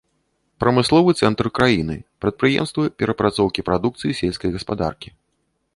Прамысловы цэнтр краіны, прадпрыемствы перапрацоўкі прадукцыі сельскай гаспадаркі.